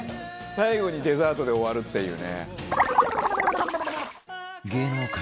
最後にデザートで終わるっていうね。